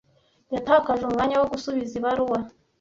Yatakaje umwanya wo gusubiza ibaruwa.